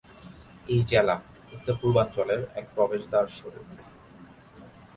এই জেলা উত্তর-পূর্বাঞ্চলের এক প্রবেশদ্বারস্বরূপ।